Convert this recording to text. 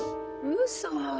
うそ。